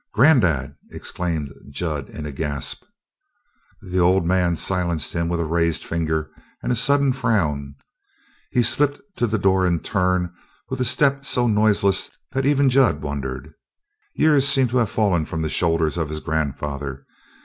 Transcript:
"Grandad," exclaimed Jud in a gasp. The old man silenced him with a raised finger and a sudden frown. He slipped to the door in turn with a step so noiseless that even Jud wondered. Years seemed to have fallen from the shoulders of his grandfather.